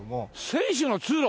選手の通路！